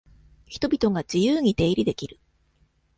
人々が自由に出入りできる。